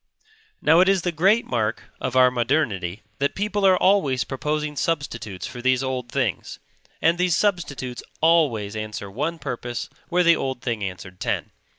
Now it is the great mark of our modernity that people are always proposing substitutes for these old things; and these substitutes always answer one purpose where the old thing answered ten.